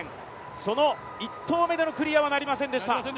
その１投目でのクリアはなりませんでした。